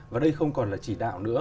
và đây không còn là chỉ đạo nữa